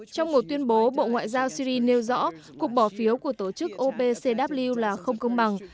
trong một tuyên bố bộ ngoại giao syri nêu rõ cuộc bỏ phiếu của tổ chức opcw là không công bằng